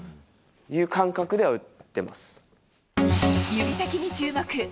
指先に注目。